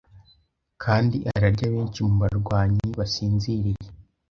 kandi ararya benshi mu barwanyi basinziriye